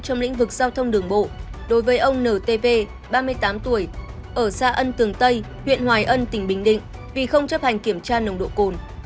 trong lĩnh vực giao thông đường bộ đối với ông n t v ba mươi tám tuổi ở xa ân tường tây huyện hoài ân tỉnh bình định vì không chấp hành kiểm tra nồng độ cồn